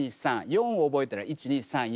４覚えたら１２３４。